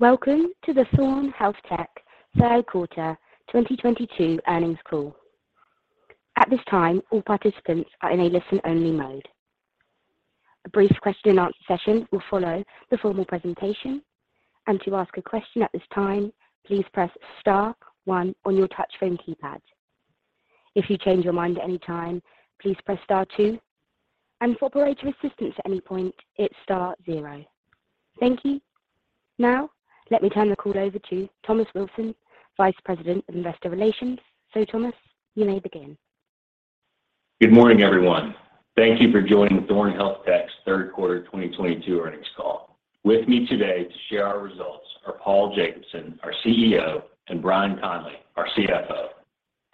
Welcome to the Thorne HealthTech Third Quarter 2022 Earnings Call. At this time, all participants are in a listen-only mode. A brief question and answer session will follow the formal presentation. To ask a question at this time, please press star one on your touch phone keypad. If you change your mind at any time, please press star two. For operator assistance at any point, it's star zero. Thank you. Now, let me turn the call over to Thomas Wilson, Vice President of Investor Relations. Thomas, you may begin. Good morning, everyone. Thank you for joining Thorne HealthTech's Third Quarter 2022 Earnings Call. With me today to share our results are Paul Jacobson, our CEO, and Bryan Conley, our CFO.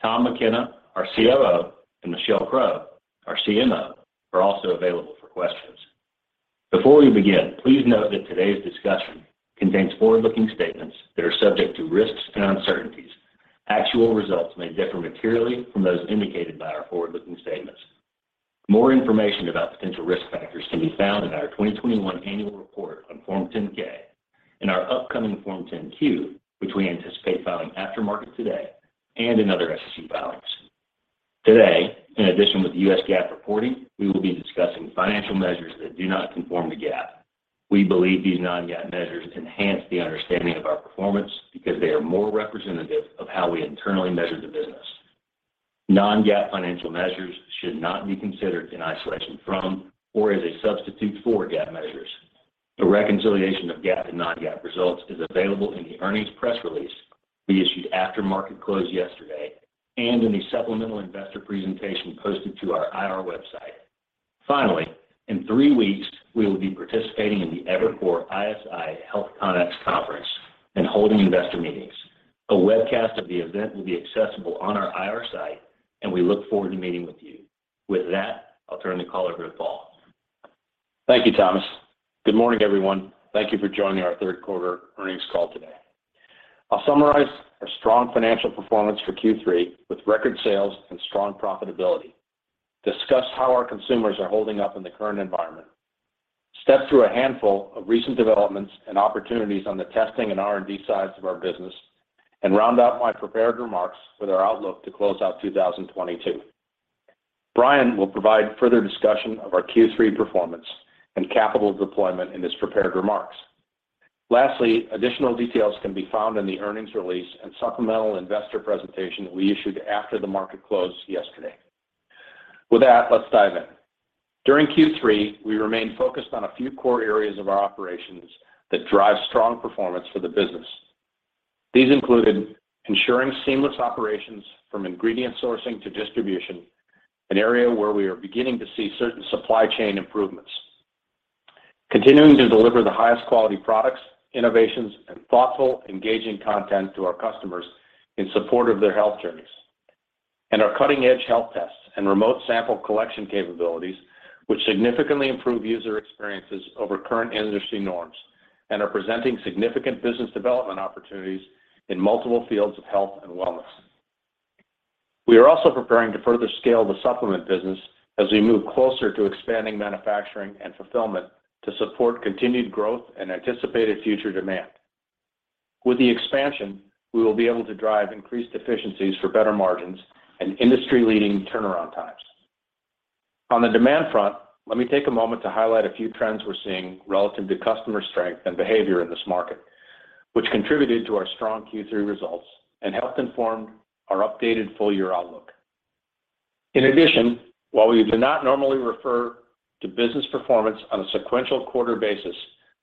Tom McKenna, our COO, and Michelle Crow, our CMO, are also available for questions. Before we begin, please note that today's discussion contains forward-looking statements that are subject to risks and uncertainties. Actual results may differ materially from those indicated by our forward-looking statements. More information about potential risk factors can be found in our 2021 annual report on Form 10-K, in our upcoming Form 10-Q, which we anticipate filing after market today, and in other SEC filings. Today, in addition to U.S. GAAP reporting, we will be discussing financial measures that do not conform to GAAP. We believe these non-GAAP measures enhance the understanding of our performance because they are more representative of how we internally measure the business. Non-GAAP financial measures should not be considered in isolation from or as a substitute for GAAP measures. A reconciliation of GAAP and non-GAAP results is available in the earnings press release we issued after market close yesterday and in the supplemental investor presentation posted to our IR website. Finally, in three weeks, we will be participating in the Evercore ISI HealthCONx Conference and holding investor meetings. A webcast of the event will be accessible on our IR site, and we look forward to meeting with you. With that, I'll turn the call over to Paul. Thank you, Thomas. Good morning, everyone. Thank you for joining our third quarter earnings call today. I'll summarize our strong financial performance for Q3 with record sales and strong profitability, discuss how our consumers are holding up in the current environment, step through a handful of recent developments and opportunities on the testing and R&D sides of our business, and round out my prepared remarks with our outlook to close out 2022. Bryan Conley will provide further discussion of our Q3 performance and capital deployment in his prepared remarks. Lastly, additional details can be found in the earnings release and supplemental investor presentation that we issued after the market closed yesterday. With that, let's dive in. During Q3, we remained focused on a few core areas of our operations that drive strong performance for the business. These included ensuring seamless operations from ingredient sourcing to distribution, an area where we are beginning to see certain supply chain improvements. Continuing to deliver the highest quality products, innovations, and thoughtful, engaging content to our customers in support of their health journeys. Our cutting-edge health tests and remote sample collection capabilities, which significantly improve user experiences over current industry norms and are presenting significant business development opportunities in multiple fields of health and wellness. We are also preparing to further scale the supplement business as we move closer to expanding manufacturing and fulfillment to support continued growth and anticipated future demand. With the expansion, we will be able to drive increased efficiencies for better margins and industry-leading turnaround times. On the demand front, let me take a moment to highlight a few trends we're seeing relative to customer strength and behavior in this market, which contributed to our strong Q3 results and helped inform our updated full-year outlook. In addition, while we do not normally refer to business performance on a sequential quarter basis,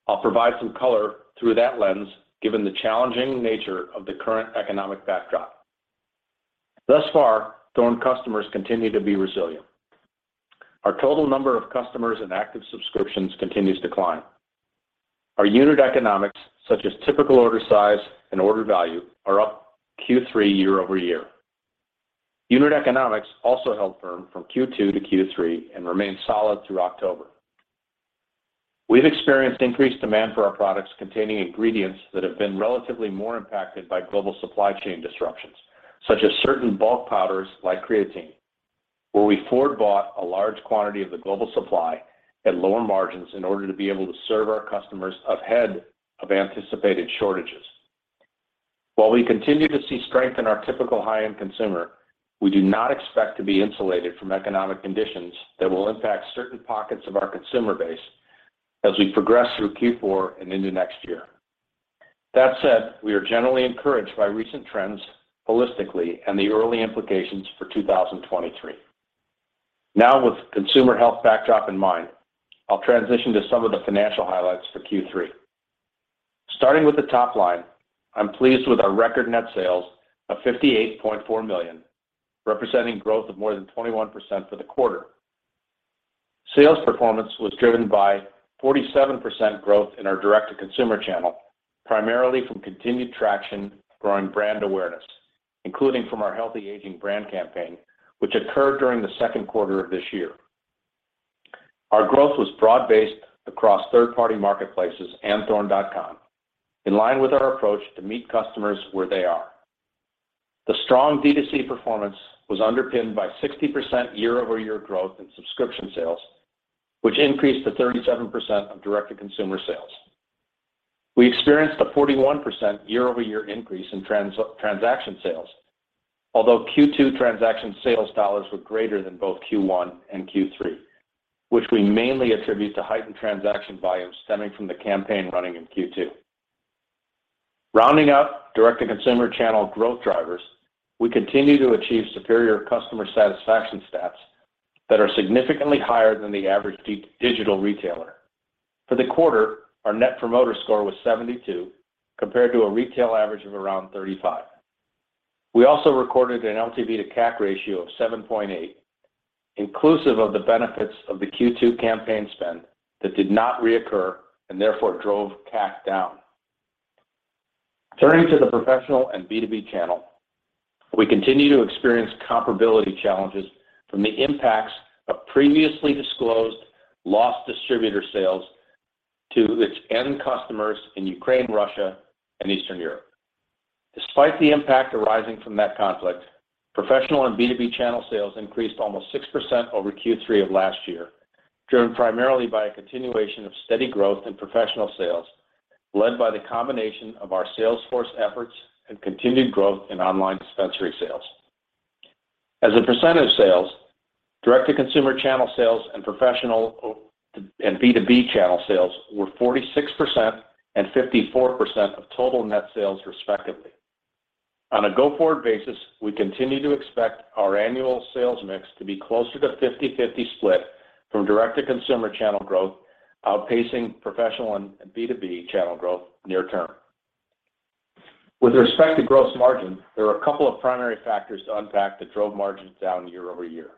I'll provide some color through that lens given the challenging nature of the current economic backdrop. Thus far, Thorne customers continue to be resilient. Our total number of customers and active subscriptions continues to climb. Our unit economics, such as typical order size and order value, are up Q3 year-over-year. Unit economics also held firm from Q2-Q3 and remain solid through October. We've experienced increased demand for our products containing ingredients that have been relatively more impacted by global supply chain disruptions, such as certain bulk powders like creatine, where we forward bought a large quantity of the global supply at lower margins in order to be able to serve our customers ahead of anticipated shortages. While we continue to see strength in our typical high-end consumer, we do not expect to be insulated from economic conditions that will impact certain pockets of our consumer base as we progress through Q4 and into next year. That said, we are generally encouraged by recent trends holistically and the early implications for 2023. Now, with consumer health backdrop in mind, I'll transition to some of the financial highlights for Q3. Starting with the top line, I'm pleased with our record net sales of $58.4 million, representing growth of more than 21% for the quarter. Sales performance was driven by 47% growth in our direct-to-consumer channel, primarily from continued traction growing brand awareness, including from our healthy aging brand campaign, which occurred during the second quarter of this year. Our growth was broad-based across third-party marketplaces and thorne.com, in line with our approach to meet customers where they are. The strong D2C performance was underpinned by 60% year-over-year growth in subscription sales, which increased to 37% of direct-to-consumer sales. We experienced a 41% year-over-year increase in transaction sales, although Q2 transaction sales dollars were greater than both Q1 and Q3, which we mainly attribute to heightened transaction volumes stemming from the campaign running in Q2. Rounding out direct-to-consumer channel growth drivers, we continue to achieve superior customer satisfaction stats that are significantly higher than the average digital retailer. For the quarter, our Net Promoter Score was 72, compared to a retail average of around 35. We also recorded an LTV to CAC ratio of 7.8, inclusive of the benefits of the Q2 campaign spend that did not reoccur and therefore drove CAC down. Turning to the professional and B2B channel, we continue to experience comparability challenges from the impacts of previously disclosed lost distributor sales to its end customers in Ukraine, Russia, and Eastern Europe. Despite the impact arising from that conflict, professional and B2B channel sales increased almost 6% over Q3 of last year, driven primarily by a continuation of steady growth in professional sales, led by the combination of our sales force efforts and continued growth in online dispensary sales. As a percent of sales, direct-to-consumer channel sales and professional and B2B channel sales were 46% and 54% of total net sales respectively. On a go-forward basis, we continue to expect our annual sales mix to be closer to a 50-50 split from direct-to-consumer channel growth outpacing professional and B2B channel growth near term. With respect to gross margin, there are a couple of primary factors to unpack that drove margins down year-over-year.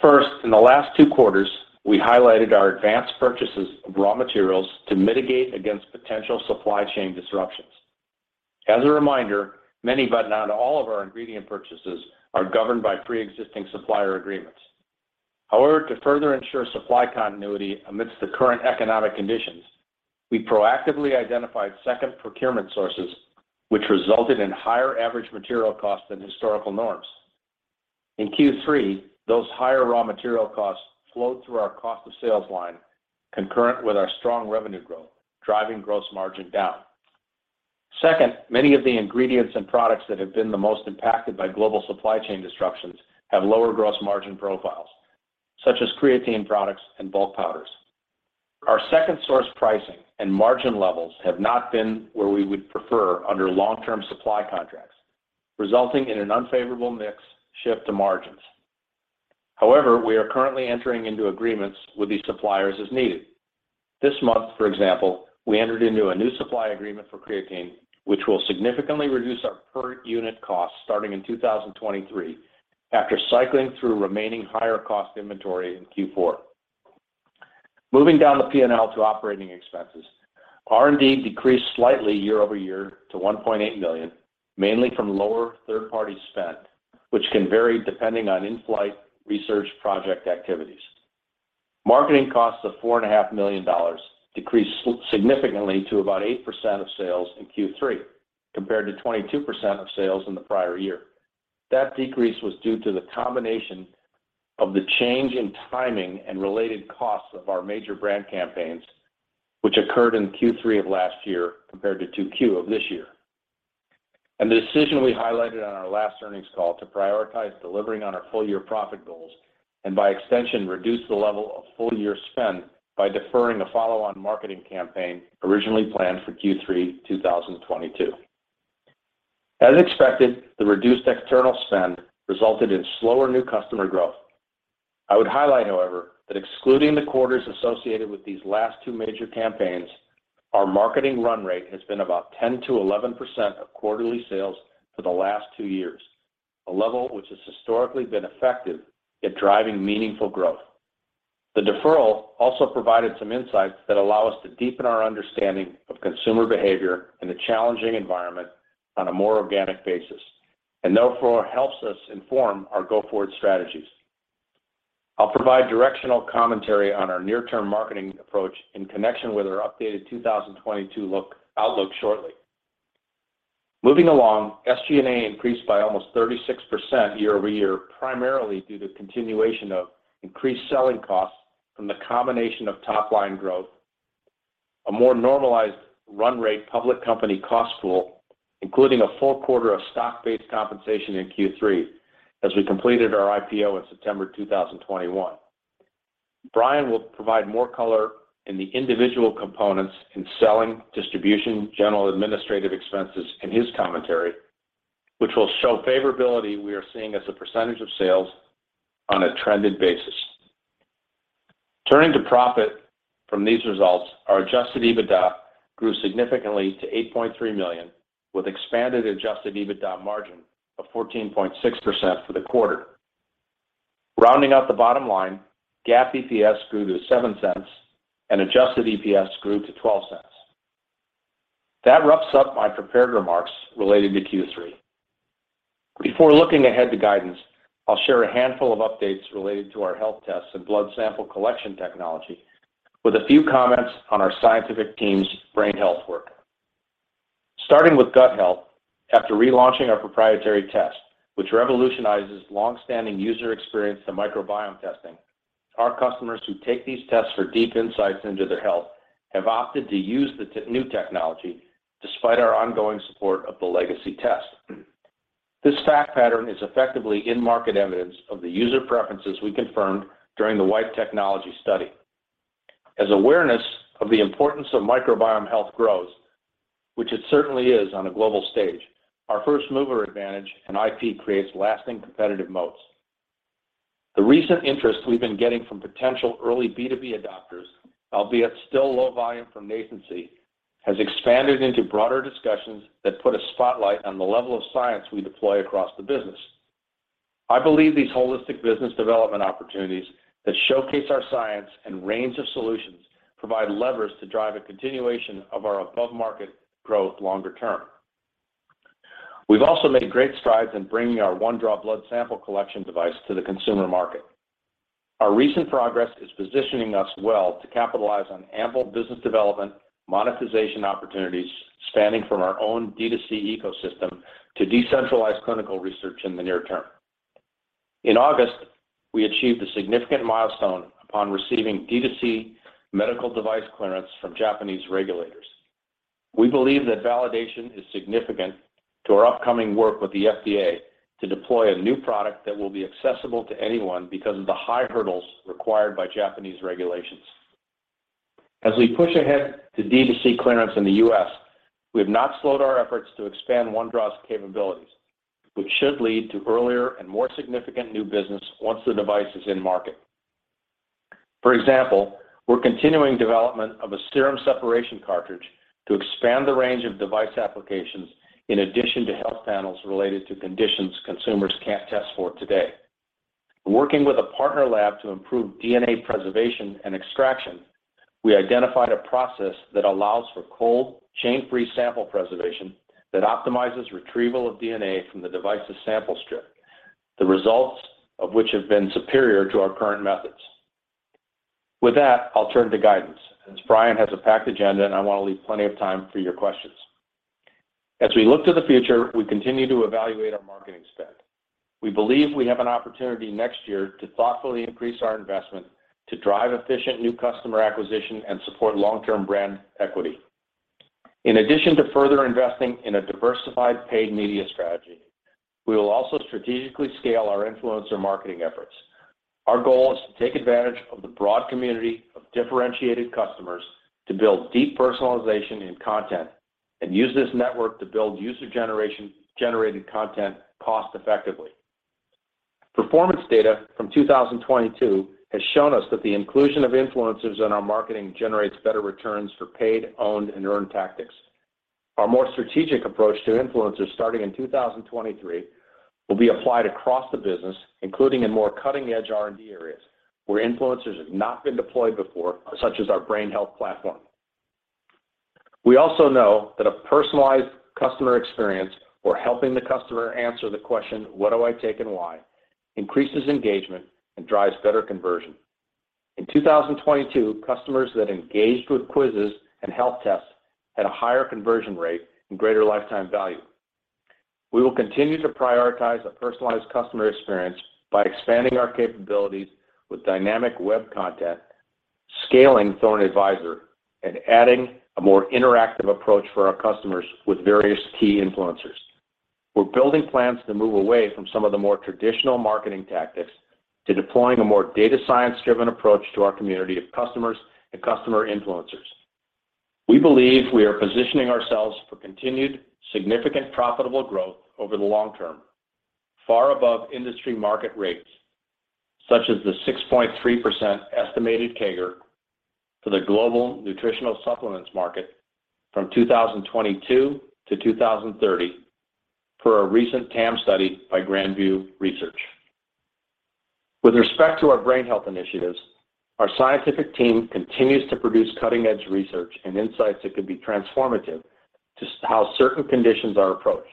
First, in the last two quarters, we highlighted our advanced purchases of raw materials to mitigate against potential supply chain disruptions. As a reminder, many but not all of our ingredient purchases are governed by preexisting supplier agreements. However, to further ensure supply continuity amidst the current economic conditions, we proactively identified second procurement sources which resulted in higher average material costs than historical norms. In Q3, those higher raw material costs flowed through our cost of sales line concurrent with our strong revenue growth, driving gross margin down. Second, many of the ingredients and products that have been the most impacted by global supply chain disruptions have lower gross margin profiles, such as creatine products and bulk powders. Our second source pricing and margin levels have not been where we would prefer under long-term supply contracts, resulting in an unfavorable mix shift to margins. However, we are currently entering into agreements with these suppliers as needed. This month, for example, we entered into a new supply agreement for creatine, which will significantly reduce our per unit cost starting in 2023 after cycling through remaining higher cost inventory in Q4. Moving down the P&L to operating expenses, R&D decreased slightly year-over-year to $1.8 million, mainly from lower third-party spend, which can vary depending on in-flight research project activities. Marketing costs of $4.5 million decreased significantly to about 8% of sales in Q3, compared to 22% of sales in the prior year. That decrease was due to the combination of the change in timing and related costs of our major brand campaigns, which occurred in Q3 of last year compared to 2Q of this year. The decision we highlighted on our last earnings call to prioritize delivering on our full year profit goals and by extension, reduce the level of full year spend by deferring a follow-on marketing campaign originally planned for Q3 2022. As expected, the reduced external spend resulted in slower new customer growth. I would highlight, however, that excluding the quarters associated with these last two major campaigns, our marketing run rate has been about 10%-11% of quarterly sales for the last two years, a level which has historically been effective at driving meaningful growth. The deferral also provided some insights that allow us to deepen our understanding of consumer behavior in a challenging environment on a more organic basis, and therefore helps us inform our go-forward strategies. I'll provide directional commentary on our near-term marketing approach in connection with our updated 2022 outlook shortly. Moving along, SG&A increased by almost 36% year-over-year, primarily due to continuation of increased selling costs from the combination of top line growth, a more normalized run rate public company cost pool, including a full quarter of stock-based compensation in Q3 as we completed our IPO in September 2021. Bryan will provide more color in the individual components in selling, distribution, general administrative expenses in his commentary, which will show favorability we are seeing as a percentage of sales on a trended basis. Turning to profit from these results, our Adjusted EBITDA grew significantly to $8.3 million with expanded Adjusted EBITDA margin of 14.6% for the quarter. Rounding out the bottom line, GAAP EPS grew to $0.07 and Adjusted EPS grew to $0.12. That wraps up my prepared remarks related to Q3. Before looking ahead to guidance, I'll share a handful of updates related to our health tests and blood sample collection technology with a few comments on our scientific team's brain health work. Starting with gut health, after relaunching our proprietary test, which revolutionizes long-standing user experience in microbiome testing, our customers who take these tests for deep insights into their health have opted to use the new technology despite our ongoing support of the legacy test. This fact pattern is effectively end-market evidence of the user preferences we confirmed during the pilot technology study. As awareness of the importance of microbiome health grows, which it certainly is on a global stage, our first mover advantage and IP creates lasting competitive moats. The recent interest we've been getting from potential early B2B adopters, albeit still low volume from nascency, has expanded into broader discussions that put a spotlight on the level of science we deploy across the business. I believe these holistic business development opportunities that showcase our science and range of solutions provide levers to drive a continuation of our above-market growth longer-term. We've also made great strides in bringing our OneDraw blood sample collection device to the consumer market. Our recent progress is positioning us well to capitalize on ample business development monetization opportunities, spanning from our own D2C ecosystem to decentralized clinical research in the near-term. In August, we achieved a significant milestone upon receiving D2C medical device clearance from Japanese regulators. We believe that validation is significant to our upcoming work with the FDA to deploy a new product that will be accessible to anyone because of the high-hurdles required by Japanese regulations. As we push ahead to D2C clearance in the U.S., we have not slowed our efforts to expand OneDraw's capabilities, which should lead to earlier and more significant new business once the device is in market. For example, we're continuing development of a serum separation cartridge to expand the range of device applications in addition to health panels related to conditions consumers can't test for today. Working with a partner lab to improve DNA preservation and extraction, we identified a process that allows for cold-chain-free sample preservation that optimizes retrieval of DNA from the device's sample strip, the results of which have been superior to our current methods. With that, I'll turn to guidance, as Bryan has a packed agenda, and I want to leave plenty of time for your questions. As we look to the future, we continue to evaluate our marketing spend. We believe we have an opportunity next year to thoughtfully increase our investment to drive efficient new customer acquisition and support long-term brand equity. In addition to further investing in a diversified paid media strategy, we will also strategically scale our influencer marketing efforts. Our goal is to take advantage of the broad community of differentiated customers to build deep personalization in content and use this network to build user-generated content cost-effectively. Performance data from 2022 has shown us that the inclusion of influencers in our marketing generates better returns for paid, owned, and earned tactics. Our more strategic approach to influencers starting in 2023 will be applied across the business, including in more cutting-edge R&D areas where influencers have not been deployed before, such as our brain health platform. We also know that a personalized customer experience for helping the customer answer the question, "What do I take and why?" increases engagement and drives better conversion. In 2022, customers that engaged with quizzes and health tests had a higher conversion rate and greater lifetime value. We will continue to prioritize a personalized customer experience by expanding our capabilities with dynamic web content, scaling Thorne Advisor, and adding a more interactive approach for our customers with various key influencers. We're building plans to move away from some of the more traditional marketing tactics to deploying a more data science-driven approach to our community of customers and customer influencers. We believe we are positioning ourselves for continued significant profitable growth over the long-term, far above industry market rates, such as the 6.3% estimated CAGR for the global nutritional supplements market from 2022-2030 per a recent TAM study by Grand View Research. With respect to our brain health initiatives, our scientific team continues to produce cutting-edge research and insights that could be transformative to how certain conditions are approached.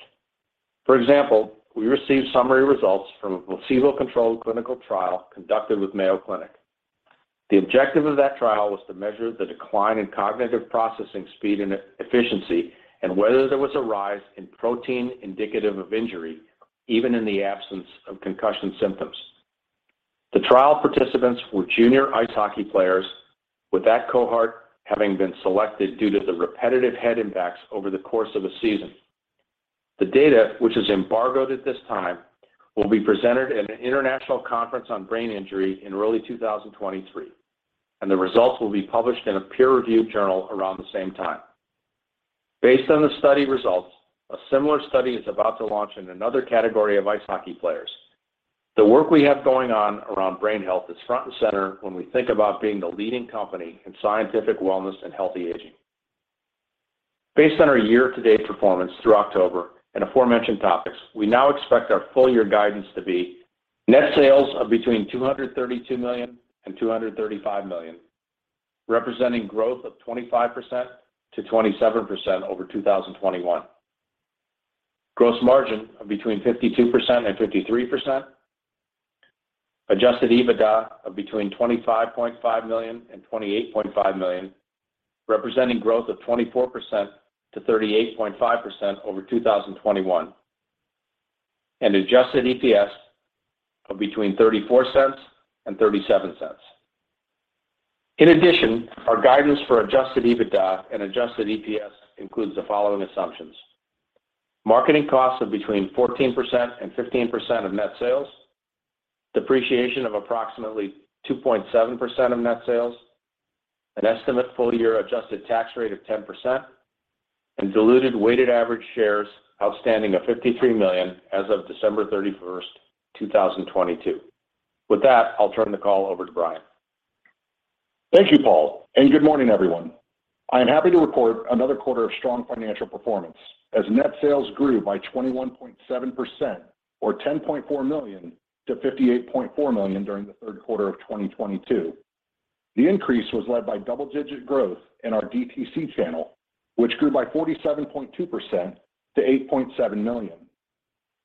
For example, we received summary results from a placebo-controlled clinical trial conducted with Mayo Clinic. The objective of that trial was to measure the decline in cognitive processing speed and efficiency and whether there was a rise in protein indicative of injury, even in the absence of concussion symptoms. The trial participants were junior ice hockey players, with that cohort having been selected due to the repetitive head impacts over the course of a season. The data, which is embargoed at this time, will be presented at an international conference on brain injury in early 2023, and the results will be published in a peer-reviewed journal around the same time. Based on the study results, a similar study is about to launch in another category of ice hockey players. The work we have going on around brain health is front and center when we think about being the leading company in scientific wellness and healthy aging. Based on our year-to-date performance through October and aforementioned topics, we now expect our full year guidance to be net sales of between $232 million and $235 million, representing growth of 25%-27% over 2021. Gross margin of between 52% and 53%. Adjusted EBITDA of between $25.5 million and $28.5 million, representing growth of 24%-38.5% over 2021. Adjusted EPS of between $0.34 and $0.37. In addition, our guidance for adjusted EBITDA and adjusted EPS includes the following assumptions: Marketing costs of between 14% and 15% of net sales. Depreciation of approximately 2.7% of net sales. An estimated full year adjusted tax rate of 10%. Diluted weighted average shares outstanding of 53 million as of December 31st, 2022. With that, I'll turn the call over to Bryan. Thank you, Paul, and good morning, everyone. I am happy to report another quarter of strong financial performance as net sales grew by 21.7% or $10.4 million to $58.4 million during the third quarter of 2022. The increase was led by double-digit growth in our DTC channel, which grew by 47.2% to $8.7 million.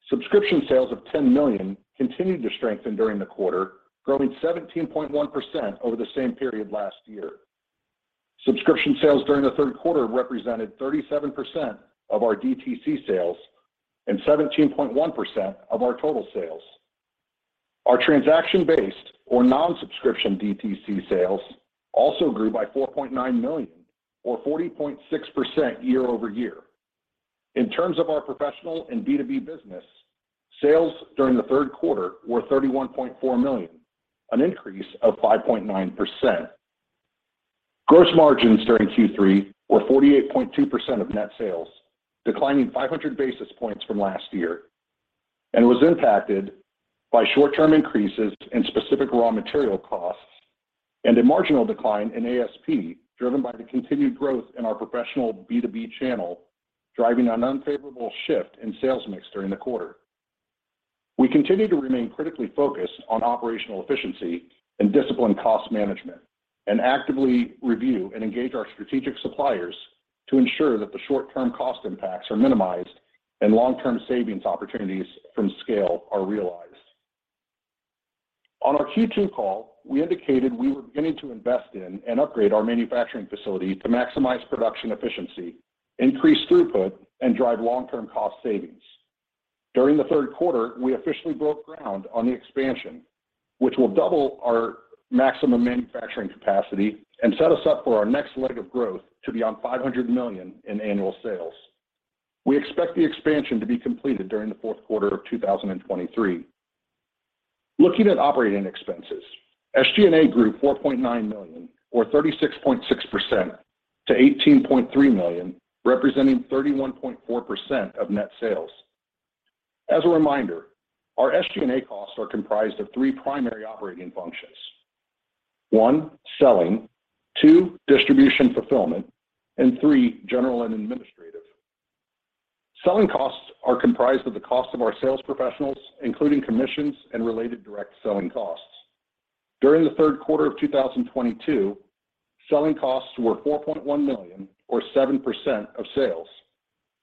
Subscription sales of $10 million continued to strengthen during the quarter, growing 17.1% over the same period last year. Subscription sales during the third quarter represented 37% of our DTC sales and 17.1% of our total sales. Our transaction-based or non-subscription DTC sales also grew by $4.9 million or 40.6% year-over-year. In terms of our professional and B2B business, sales during the third quarter were $31.4 million, an increase of 5.9%. Gross margins during Q3 were 48.2% of net sales, declining 500 basis points from last year, and was impacted by short-term increases in specific raw material costs and a marginal decline in ASP, driven by the continued growth in our professional B2B channel, driving an unfavorable shift in sales mix during the quarter. We continue to remain critically focused on operational efficiency and disciplined cost management, and actively review and engage our strategic suppliers to ensure that the short-term cost impacts are minimized and long-term savings opportunities from scale are realized. On our Q2 call, we indicated we were beginning to invest in and upgrade our manufacturing facility to maximize production efficiency, increase throughput, and drive long-term cost savings. During the third quarter, we officially broke ground on the expansion, which will double our maximum manufacturing capacity and set us up for our next leg of growth to beyond $500 million in annual sales. We expect the expansion to be completed during the fourth quarter of 2023. Looking at operating expenses, SG&A grew $4.9 million or 36.6% to $18.3 million, representing 31.4% of net sales. As a reminder, our SG&A costs are comprised of three primary operating functions. One, selling, two, distribution fulfillment, and three, general and administrative. Selling costs are comprised of the cost of our sales professionals, including commissions and related direct selling costs. During the third quarter of 2022, selling costs were $4.1 million or 7% of sales,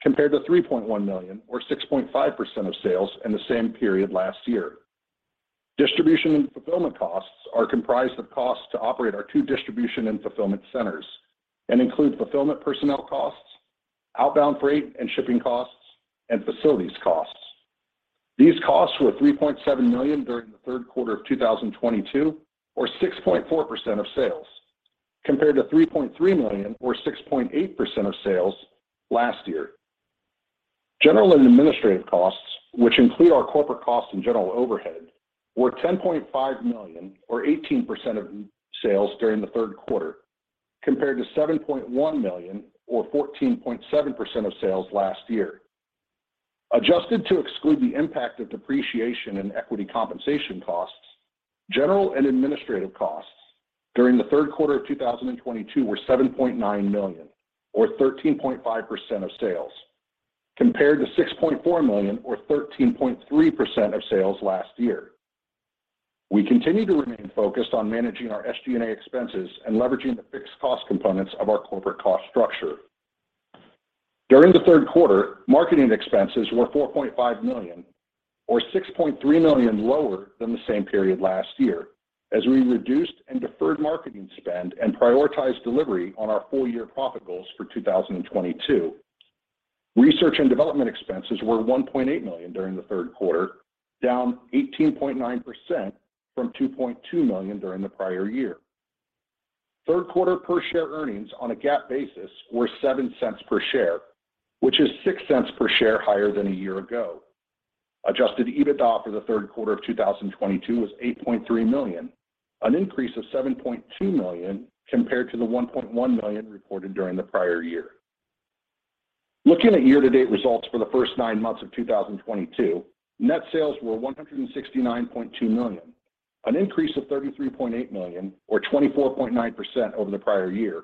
compared to $3.1 million or 6.5% of sales in the same period last year. Distribution and fulfillment costs are comprised of costs to operate our two distribution and fulfillment centers and include fulfillment personnel costs, outbound freight and shipping costs, and facilities costs. These costs were $3.7 million during the third quarter of 2022 or 6.4% of sales, compared to $3.3 million or 6.8% of sales last year. General and administrative costs, which include our corporate costs and general overhead, were $10.5 million or 18% of sales during the third quarter, compared to $7.1 million or 14.7% of sales last year. Adjusted to exclude the impact of depreciation in equity compensation costs, general and administrative costs during the third quarter of 2022 were $7.9 million or 13.5% of sales, compared to $6.4 million or 13.3% of sales last year. We continue to remain focused on managing our SG&A expenses and leveraging the fixed cost components of our corporate cost structure. During the third quarter, marketing expenses were $4.5 million or $6.3 million lower than the same period last year as we reduced and deferred marketing spend and prioritized delivery on our full-year profit goals for 2022. Research and development expenses were $1.8 million during the third quarter, down 18.9% from $2.2 million during the prior year. Third quarter per share earnings on a GAAP basis were seven cents per share, which is six cents per share higher than a year ago. Adjusted EBITDA for the third quarter of 2022 was $8.3 million, an increase of $7.2 million compared to the $1.1 million reported during the prior year. Looking at year-to-date results for the first nine months of 2022, net sales were $169.2 million, an increase of $33.8 million or 24.9% over the prior year.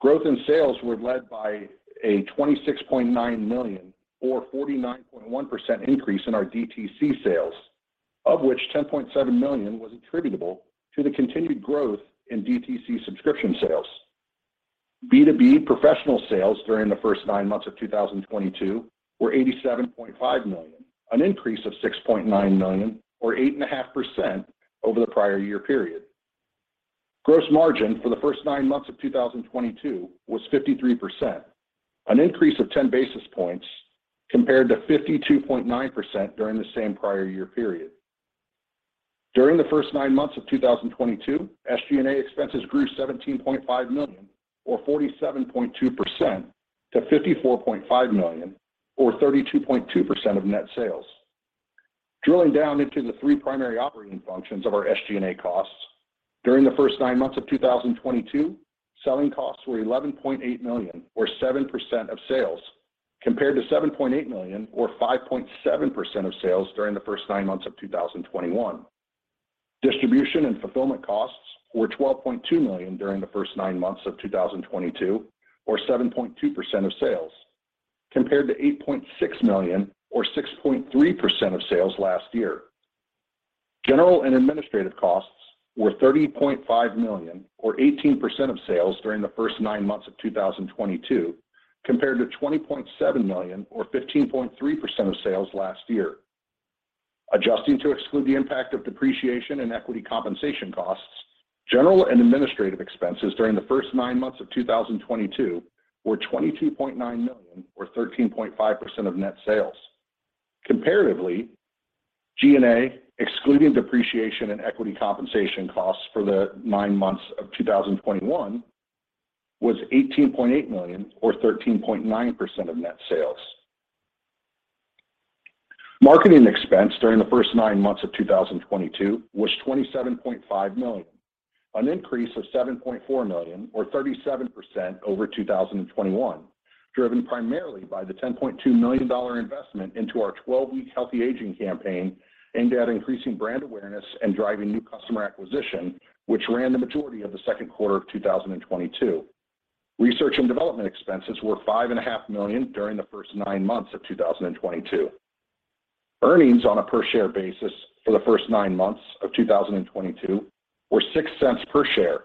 Growth in sales were led by a $26.9 million or 49.1% increase in our DTC sales, of which $10.7 million was attributable to the continued growth in DTC subscription sales. B2B professional sales during the first nine months of 2022 were $87.5 million, an increase of $6.9 million or 8.5% over the prior year period. Gross margin for the first nine months of 2022 was 53%, an increase of 10 basis points compared to 52.9% during the same prior year period. During the first nine months of 2022, SG&A expenses grew $17.5 million or 47.2% to $54.5 million or 32.2% of net sales. Drilling down into the three primary operating functions of our SG&A costs, during the first nine months of 2022, selling costs were $11.8 million or 7% of sales, compared to $7.8 million or 5.7% of sales during the first nine months of 2021. Distribution and fulfillment costs were $12.2 million during the first nine months of 2022 or 7.2% of sales, compared to $8.6 million or 6.3% of sales last year. General and administrative costs were $30.5 million or 18% of sales during the first nine months of 2022, compared to $20.7 million or 15.3% of sales last year. Adjusting to exclude the impact of depreciation and equity compensation costs, general and administrative expenses during the first nine months of 2022 were $22.9 million or 13.5% of net sales. Comparatively, G&A, excluding depreciation and equity compensation costs for the nine months of 2021 was $18.8 million or 13.9% of net sales. Marketing expense during the first nine months of 2022 was $27.5 million, an increase of $7.4 million or 37% over 2021, driven primarily by the $10.2 million investment into our 12-week healthy aging campaign aimed at increasing brand awareness and driving new customer acquisition, which ran the majority of the second quarter of 2022. Research and development expenses were $5.5 million during the first nine months of 2022. Earnings on a per share basis for the first nine months of 2022 were $0.06 per share,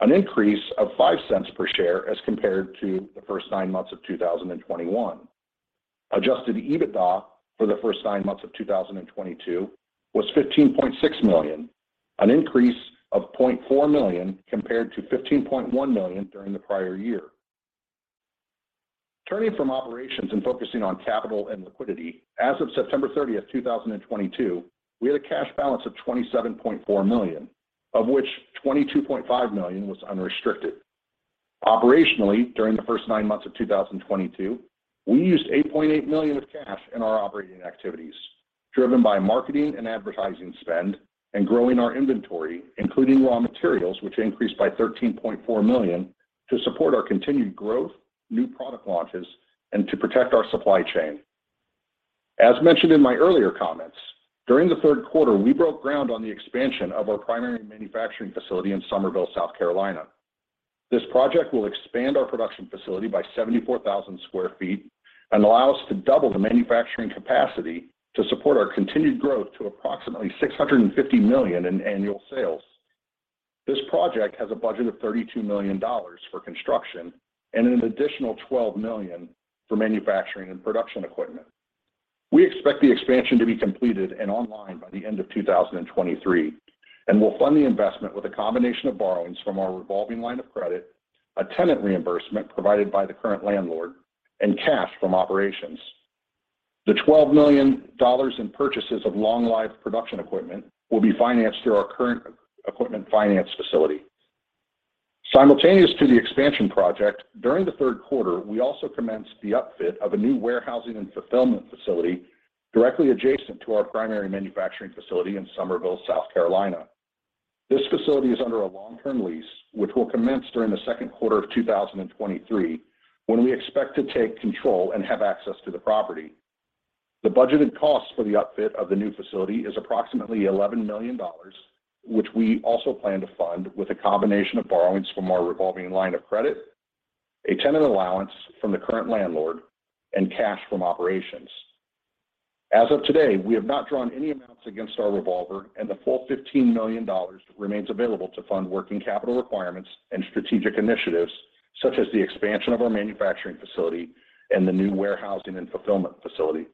an increase of $0.05 per share as compared to the first nine months of 2021. Adjusted EBITDA for the first nine months of 2022 was $15.6 million, an increase of $0.4 million compared to $15.1 million during the prior year. Turning from operations and focusing on capital and liquidity, as of September 30th, 2022, we had a cash balance of $27.4 million, of which $22.5 million was unrestricted. Operationally, during the first nine months of 2022, we used $8.8 million of cash in our operating activities, driven by marketing and advertising spend and growing our inventory, including raw materials, which increased by $13.4 million to support our continued growth, new product launches, and to protect our supply chain. During the third quarter, we broke ground on the expansion of our primary manufacturing facility in Summerville, South Carolina. This project will expand our production facility by 74,000 sq ft and allow us to double the manufacturing capacity to support our continued growth to approximately $650 million in annual sales. This project has a budget of $32 million for construction and an additional $12 million for manufacturing and production equipment. We expect the expansion to be completed and online by the end of 2023, and we'll fund the investment with a combination of borrowings from our revolving line of credit, a tenant reimbursement provided by the current landlord, and cash from operations. The $12 million in purchases of long-life production equipment will be financed through our current equipment finance facility. Simultaneous to the expansion project, during the third quarter, we also commenced the up fit of a new warehousing and fulfillment facility directly adjacent to our primary manufacturing facility in Summerville, South Carolina. This facility is under a long-term lease, which will commence during the second quarter of 2023, when we expect to take control and have access to the property. The budgeted cost for the up fit of the new facility is approximately $11 million, which we also plan to fund with a combination of borrowings from our revolving line of credit, a tenant allowance from the current landlord, and cash from operations. As of today, we have not drawn any amounts against our revolver, and the full $15 million remains available to fund working capital requirements and strategic initiatives such as the expansion of our manufacturing facility and the new warehousing and fulfillment facility.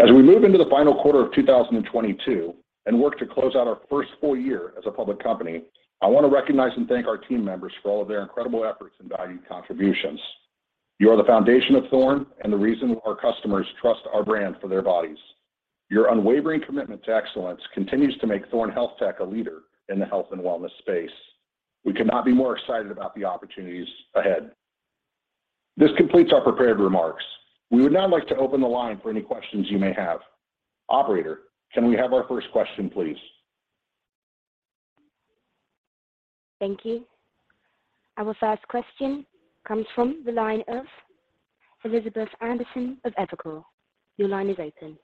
As we move into the final quarter of 2022 and work to close out our first full year as a public company, I want to recognize and thank our team members for all of their incredible efforts and valued contributions. You are the foundation of Thorne and the reason our customers trust our brand for their bodies. Your unwavering commitment to excellence continues to make Thorne HealthTech a leader in the health and wellness space. We could not be more excited about the opportunities ahead. This completes our prepared remarks. We would now like to open the line for any questions you may have. Operator, can we have our first question, please? Thank you. Our first question comes from the line of Elizabeth Anderson of Evercore. Your line is open.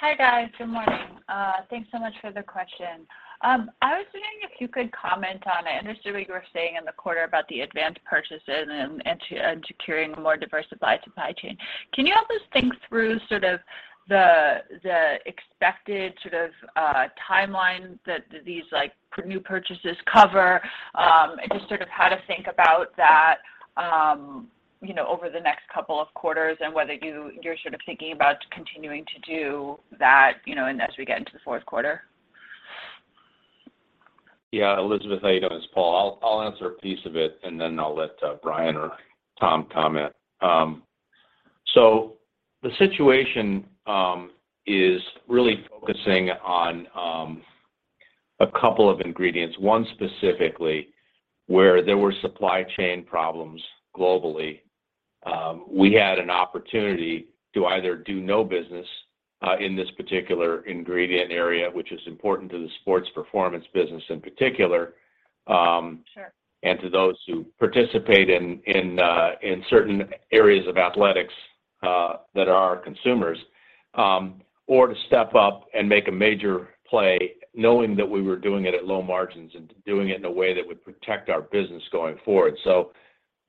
Hi, guys. Good morning. Thanks so much for the question. I understood what you were saying in the quarter about the advanced purchases and to securing a more diversified supply chain. Can you help us think through sort of the expected sort of timeline that these like new purchases cover? Just sort of how to think about that you know over the next couple of quarters and whether you're sort of thinking about continuing to do that you know and as we get into the fourth quarter? Yeah. Elizabeth, how you doing? It's Paul. I'll answer a piece of it, and then I'll let Bryan or Tom comment. The situation is really focusing on a couple of ingredients. One specifically, where there were supply chain problems globally. We had an opportunity to either do no business in this particular ingredient area, which is important to the sports performance business in particular. Sure to those who participate in certain areas of athletics that are our consumers. To step up and make a major play knowing that we were doing it at low margins and doing it in a way that would protect our business going forward.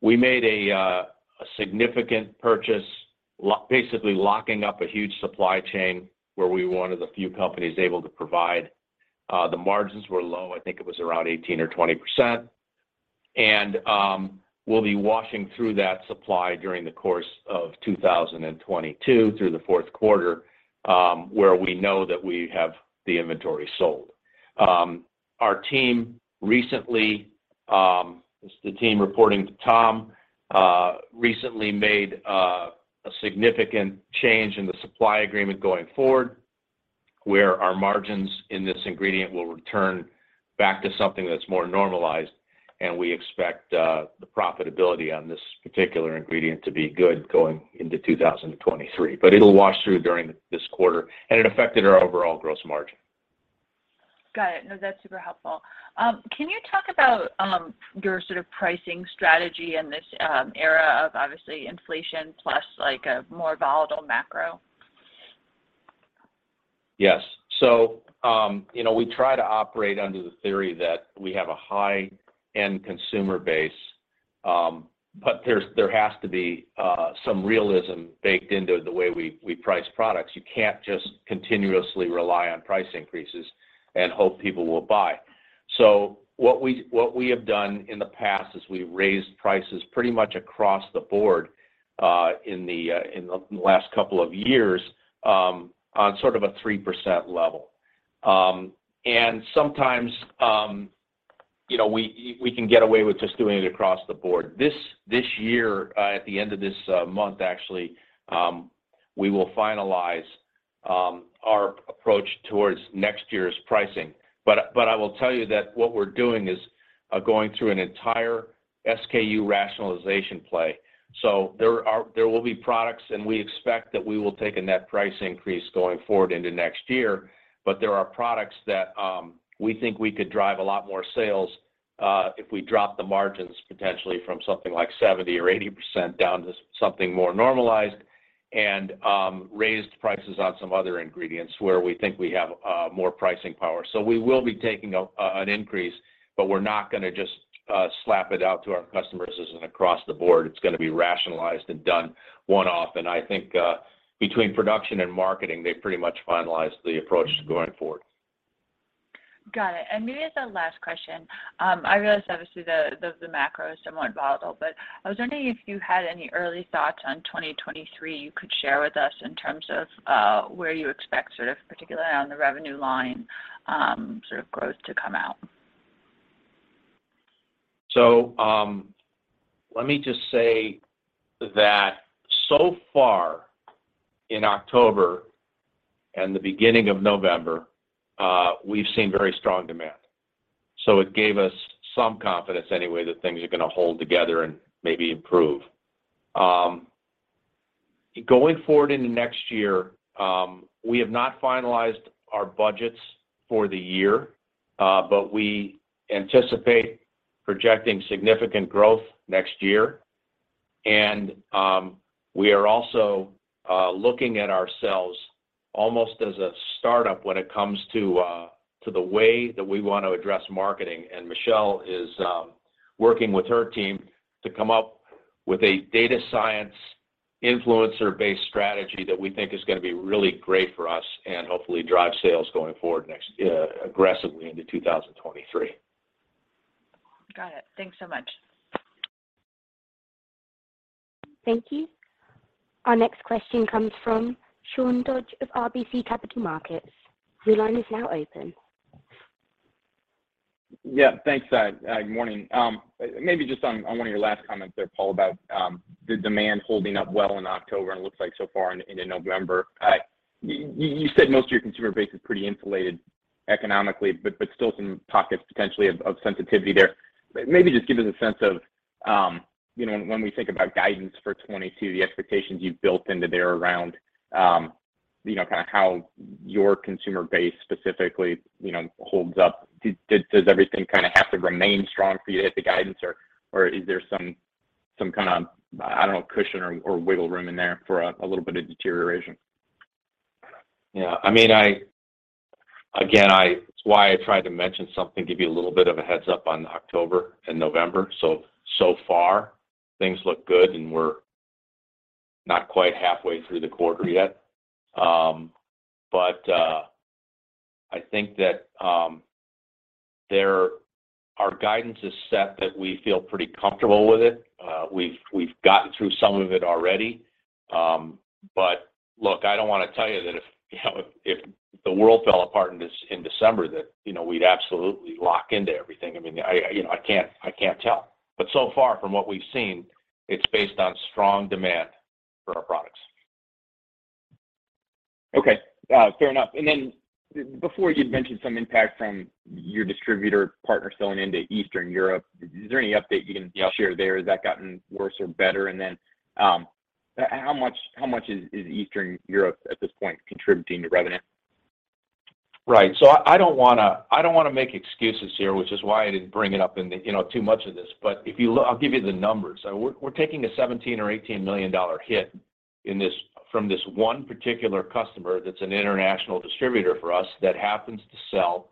We made a significant purchase basically locking up a huge supply chain where we were one of the few companies able to provide. The margins were low, I think it was around 18% or 20%. We'll be washing through that supply during the course of 2022 through the fourth quarter, where we know that we have the inventory sold. Our team recently It's the team reporting to Tom recently made a significant change in the supply agreement going forward, where our margins in this ingredient will return back to something that's more normalized, and we expect the profitability on this particular ingredient to be good going into 2023. But it'll wash through during this quarter, and it affected our overall gross margin. Got it. No, that's super helpful. Can you talk about your sort of pricing strategy in this era of obviously inflation plus like a more volatile macro? Yes. You know, we try to operate under the theory that we have a high-end consumer base. There has to be some realism baked into the way we price products. You can't just continuously rely on price increases and hope people will buy. What we have done in the past is we've raised prices pretty much across the board in the last couple of years on sort of a 3% level. Sometimes, you know, we can get away with just doing it across the board. This year, at the end of this month actually, we will finalize our approach towards next year's pricing. I will tell you that what we're doing is going through an entire SKU rationalization play. There will be products, and we expect that we will take a net price increase going forward into next year, but there are products that we think we could drive a lot more sales if we drop the margins potentially from something like 70% or 80% down to something more normalized and raised prices on some other ingredients where we think we have more pricing power. We will be taking an increase, but we're not gonna just slap it out to our customers as an across-the-board. It's gonna be rationalized and done one-off. I think between production and marketing, they pretty much finalized the approach going forward. Got it. Maybe as a last question, I realize obviously the macro is somewhat volatile, but I was wondering if you had any early thoughts on 2023 you could share with us in terms of, where you expect sort of particularly on the revenue line, sort of growth to come out. Let me just say that so far in October and the beginning of November, we've seen very strong demand. It gave us some confidence anyway that things are gonna hold together and maybe improve. Going forward into next year, we have not finalized our budgets for the year, but we anticipate projecting significant growth next year. We are also looking at ourselves almost as a startup when it comes to the way that we want to address marketing. Michelle is working with her team to come up with a data science influencer-based strategy that we think is gonna be really great for us and hopefully drive sales going forward next year, aggressively into 2023. Got it. Thanks so much. Thank you. Our next question comes from Sean Dodge of RBC Capital Markets. Your line is now open. Yeah. Thanks. Good morning. Maybe just on one of your last comments there, Paul, about the demand holding up well in October and it looks like so far into November. You said most of your consumer base is pretty insulated economically, but still some pockets potentially of sensitivity there. Maybe just give us a sense of, you know, when we think about guidance for 2022, the expectations you've built into there around, you know, kind of how your consumer base specifically, you know, holds up. Does everything kind of have to remain strong for you to hit the guidance or is there some kind of, I don't know, cushion or wiggle room in there for a little bit of deterioration. Yeah. I mean, again, it's why I tried to mention something, give you a little bit of a heads up on October and November. So far things look good, and we're not quite halfway through the quarter yet. I think that our guidance is set that we feel pretty comfortable with it. We've gotten through some of it already. Look, I don't wanna tell you that if, you know, if the world fell apart in December that, you know, we'd absolutely lock into everything. I mean, you know, I can't tell. So far from what we've seen, it's based on strong demand for our products. Okay. Fair enough. Before you'd mentioned some impact from your distributor partner selling into Eastern Europe. Is there any update you can share there? Yeah. Has that gotten worse or better? How much is Eastern Europe at this point contributing to revenue? Right. I don't wanna make excuses here, which is why I didn't bring it up in the, you know, too much of this. But I'll give you the numbers. We're taking a $17 million or $18 million hit from this one particular customer that's an international distributor for us that happens to sell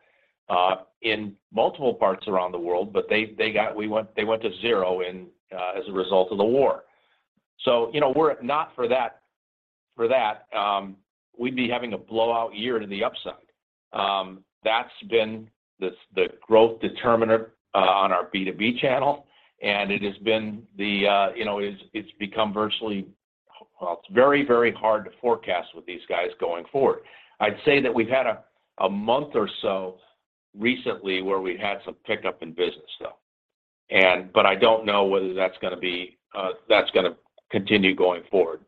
in multiple parts around the world. But they went to zero as a result of the war. You know, were it not for that, we'd be having a blowout year to the upside. That's been the growth determiner on our B2B channel, and it has been the, you know, it's become virtually. Well, it's very, very hard to forecast with these guys going forward. I'd say that we've had a month or so recently where we had some pickup in business though, but I don't know whether that's gonna continue going forward.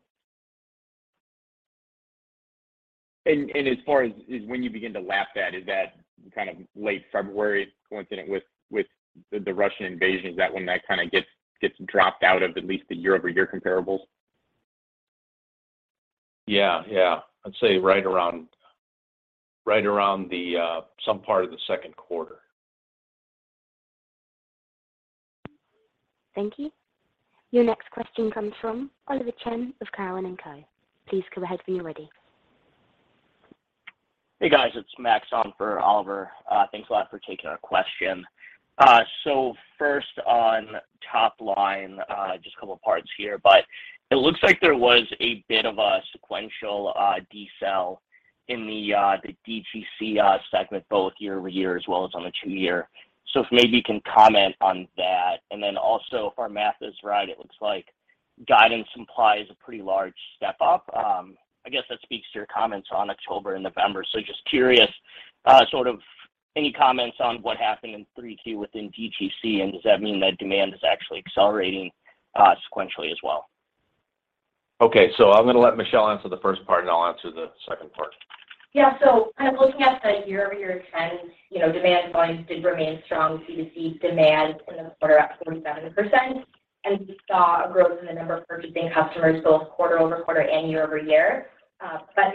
As far as when you begin to lap that, is that kind of late February coincident with the Russian invasion? Is that when that kind of gets dropped out of at least the year-over-year comparable? Yeah. I'd say right around some part of the second quarter. Thank you. Your next question comes from Oliver Chen of Cowen and Company. Please go ahead when you're ready. Hey, guys, it's Max on for Oliver. Thanks a lot for taking our question. First on top line, just a couple parts here, but it looks like there was a bit of a sequential decel in the DTC segment both year-over-year as well as on the two-year. If maybe you can comment on that. Then also, if our math is right, it looks like guidance implies a pretty large step up. I guess that speaks to your comments on October and November. Just curious, sort of any comments on what happened in 3Q within DTC, and does that mean that demand is actually accelerating sequentially as well? Okay. I'm gonna let Michelle answer the first part, and I'll answer the second part. Yeah. Kind of looking at the year-over-year trends, you know, demand volumes did remain strong. D2C demand in the quarter up 47%, and we saw a growth in the number of purchasing customers both quarter-over-quarter and year-over-year.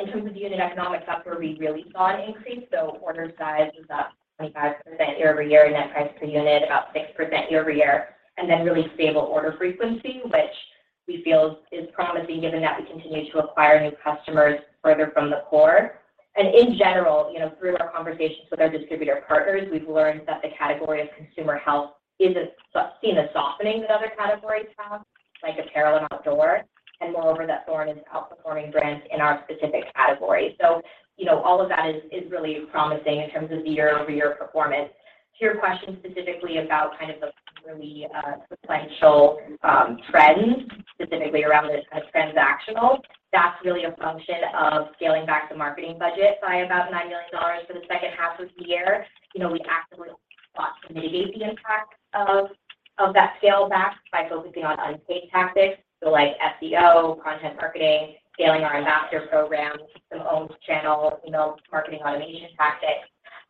In terms of unit economics, that's where we really saw an increase. Order size was up 25% year-over-year, net price per unit about 6% year-over-year, and then really stable order frequency, which we feel is promising given that we continue to acquire new customers further from the core. In general, you know, through our conversations with our distributor partners, we've learned that the category of consumer health isn't seeing a softening that other categories have, like apparel and outdoor, and moreover, that Thorne is outperforming brands in our specific category. You know, all of that is really promising in terms of the year-over-year performance. To your question specifically about kind of the really sequential trends, specifically around the kind of transactional, that's really a function of scaling back the marketing budget by about $9 million for the second half of the year. You know, we actively sought to mitigate the impact of that scale back by focusing on unpaid tactics. Like SEO, content marketing, scaling our ambassador program, some owned channel, you know, marketing automation tactics.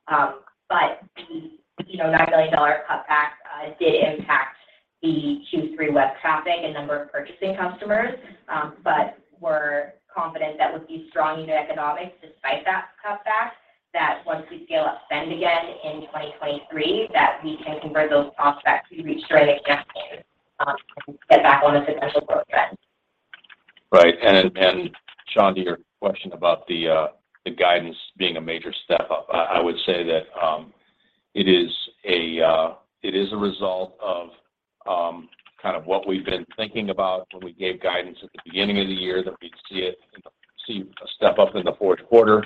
But the, you know, $9 million cutback did impact the Q3 web traffic and number of purchasing customers. We're confident that with these strong unit economics despite that cutback, that once we scale up spend again in 2023, that we can convert those prospects we reached during the gap period, and get back on the sequential growth trend. Right. Sean, to your question about the guidance being a major step up, I would say that it is a result of kind of what we've been thinking about when we gave guidance at the beginning of the year that we'd see a step up in the fourth quarter.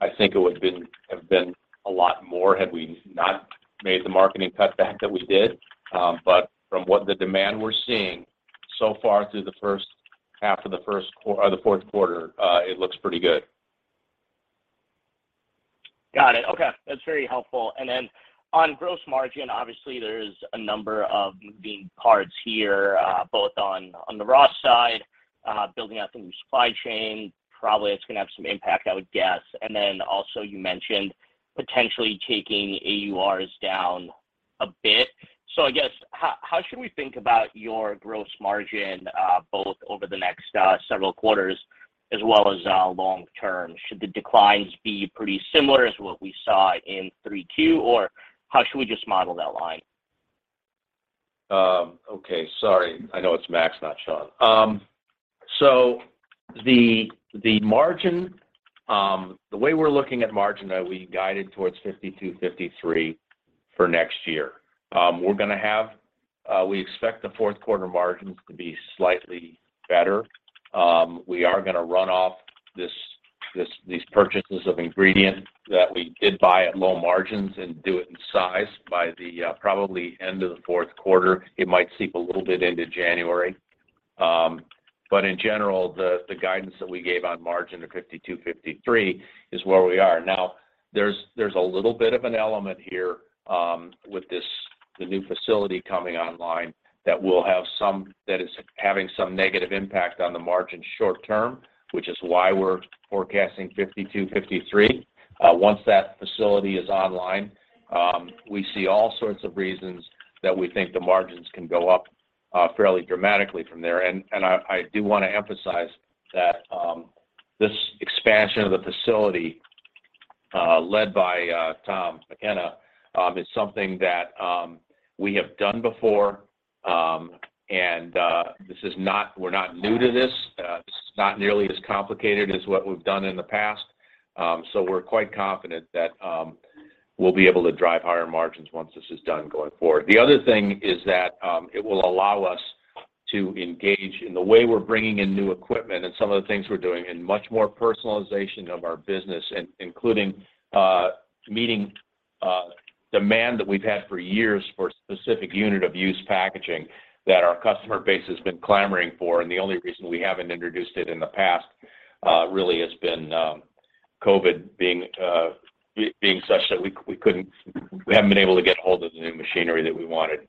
I think it would have been a lot more had we not made the marketing cutback that we did. From what the demand we're seeing so far through the first half of the fourth quarter, it looks pretty good. Got it. Okay. That's very helpful. On gross margin, obviously there's a number of moving parts here, both on the raw side, building out the new supply chain, probably it's gonna have some impact, I would guess. You mentioned potentially taking AURs down a bit. I guess how should we think about your gross margin, both over the next several quarters as well as long-term, should the declines be pretty similar as what we saw in three-two, or how should we just model that line? Okay. Sorry. I know it's Max, not Sean. The margin, the way we're looking at margin that we guided towards 52%-53% for next year. We expect the fourth quarter margins to be slightly better. We are gonna run off these purchases of ingredients that we did buy at low margins and do it in size by the probably end of the fourth quarter. It might seep a little bit into January. In general, the guidance that we gave on margin of 52%-53% is where we are. Now, there's a little bit of an element here with the new facility coming online that is having some negative impact on the margin short-term, which is why we're forecasting 52%-53%. Once that facility is online, we see all sorts of reasons that we think the margins can go up fairly dramatically from there. I do wanna emphasize that this expansion of the facility, led by Tom McKenna, is something that we have done before. We're not new to this. This is not nearly as complicated as what we've done in the past. We're quite confident that we'll be able to drive higher margins once this is done going forward. The other thing is that it will allow us to engage in the way we're bringing in new equipment and some of the things we're doing in much more personalization of our business, including meeting demand that we've had for years for specific unit of use packaging that our customer base has been clamoring for. The only reason we haven't introduced it in the past really has been COVID being such that we haven't been able to get hold of the new machinery that we wanted.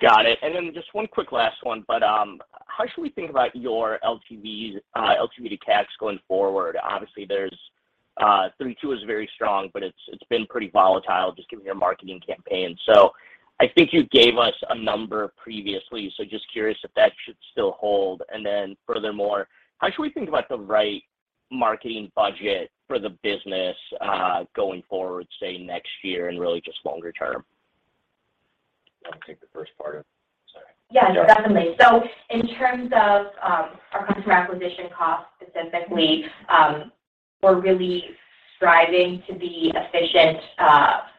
Got it. Just one quick last one, but how should we think about your LTV to CAC going forward? Obviously, there's 3:2 is very strong, but it's been pretty volatile just given your marketing campaign. I think you gave us a number previously. Just curious if that should still hold. Furthermore, how should we think about the right marketing budget for the business, going forward, say, next year and really just longer-term? You wanna take the first part of it? Sorry. Yeah, definitely. In terms of our customer acquisition costs specifically, we're really striving to be efficient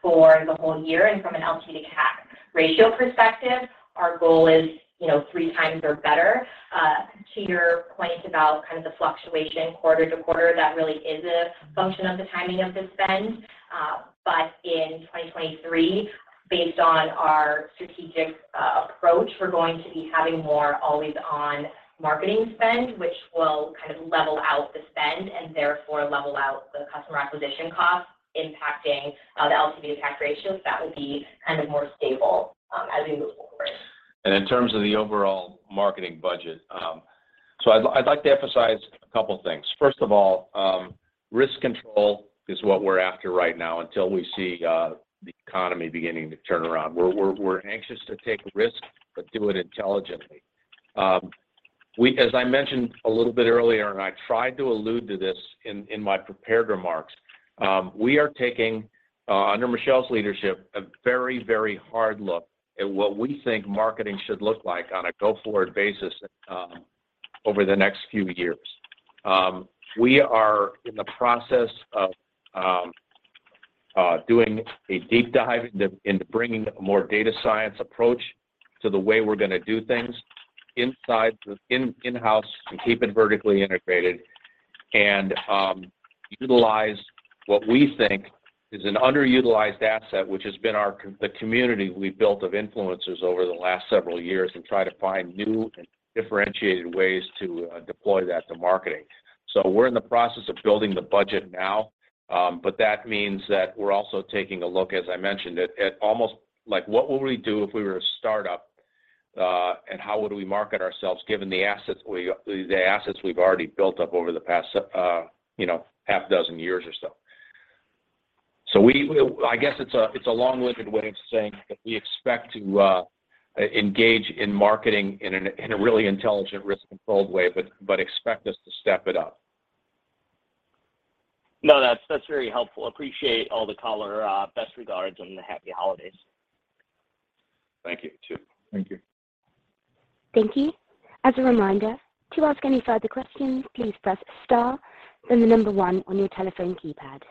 for the whole year. From an LTV to CAC ratio perspective, our goal is, you know, 3x or better. To your point about kind of the fluctuation quarter to quarter, that really is a function of the timing of the spend. In 2023, based on our strategic approach, we're going to be having more always on marketing spend, which will kind of level out the spend and therefore level out the customer acquisition costs impacting the LTV to CAC ratios. That would be kind of more stable as we move forward. In terms of the overall marketing budget, so I'd like to emphasize a couple things. First of all, risk control is what we're after right now until we see the economy beginning to turn around. We're anxious to take risk, but do it intelligently. As I mentioned a little bit earlier, and I tried to allude to this in my prepared remarks, we are taking under Michelle's leadership a very, very hard look at what we think marketing should look like on a go-forward basis over the next few years. We are in the process of doing a deep dive into bringing a more data science approach to the way we're gonna do things in-house and utilize what we think is an underutilized asset, which has been the community we've built of influencers over the last several years, and try to find new and differentiated ways to deploy that to marketing. We're in the process of building the budget now, but that means that we're also taking a look, as I mentioned, at almost like what would we do if we were a startup, and how would we market ourselves given the assets we've already built up over the past, you know, half dozen years or so. I guess it's a long-winded way of saying that we expect to engage in marketing in a really intelligent, risk-controlled way, but expect us to step it up. No, that's very helpful. Appreciate all the color. Best regards and happy holidays. Thank you, too. Thank you. Thank you. As a reminder, to ask any further questions, please press star then the number one on your telephone keypad.